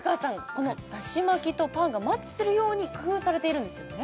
このだし巻きとパンがマッチするように工夫されているんですよね？